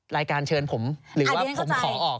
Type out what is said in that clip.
รายการเชิญผมหรือว่าผมขอออก